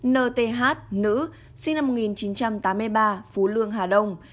bốn n t h nữ sinh năm một nghìn chín trăm tám mươi ba phú lương hà đông